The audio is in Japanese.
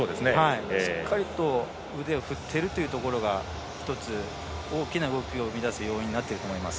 しっかりと腕を振っているというところが１つ、大きな動きを生み出す要因になっていると思います。